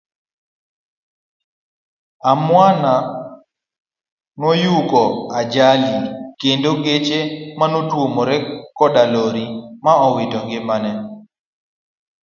Amwana noyugo ajali kendo gache notuomore koda lori ma owito ngimane.